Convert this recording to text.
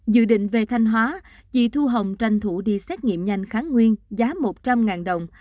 dự định về thanh hóa chị thu hồng tranh thủ đi xét nghiệm nhanh kháng nguyên giá một trăm linh đồng